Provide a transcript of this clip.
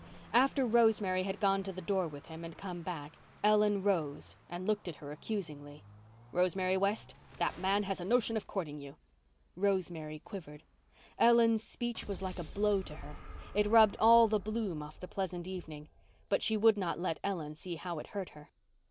After Rosemary had gone to the door with him and come back Ellen rose and looked at her accusingly. "Rosemary West, that man has a notion of courting you." Rosemary quivered. Ellen's speech was like a blow to her. It rubbed all the bloom off the pleasant evening. But she would not let Ellen see how it hurt her.